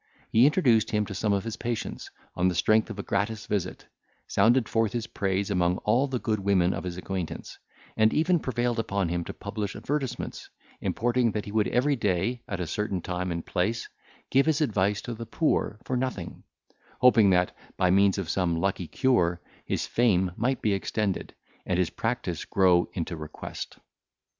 He introduced him to some of his patients, on the strength of a gratis visit, sounded forth his praise among all the good women of his acquaintance; and even prevailed upon him to publish advertisements, importing that he would every day, at a certain time and place, give his advice to the poor for nothing; hoping that, by means of some lucky cure, his fame might be extended, and his practice grow into request.